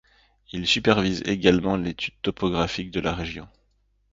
Il supervise également l'étude topographique de la région.